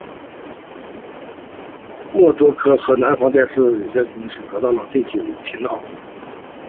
默多克和南方电视有线得到了第九频道。